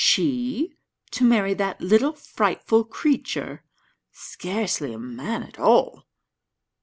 She to marry that little frightful creature scarcely a man at all!